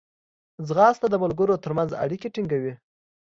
ځغاسته د ملګرو ترمنځ اړیکې ټینګوي